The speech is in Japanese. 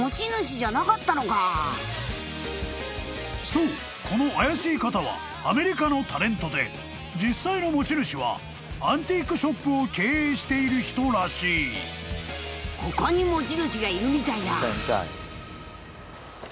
［そうこの怪しい方はアメリカのタレントで実際の持ち主はアンティークショップを経営している人らしい］よおっ！